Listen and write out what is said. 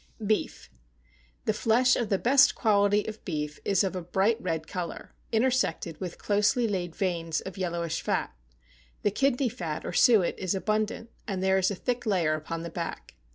=Beef.= The flesh of the best quality of beef is of a bright red color, intersected with closely laid veins of yellowish fat; the kidney fat, or suet, is abundant, and there is a thick layer upon the back.